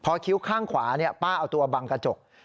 พอคิ้วข้างขวาป้าเอาตัวบังกระจก